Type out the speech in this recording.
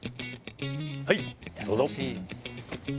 はいどうぞ。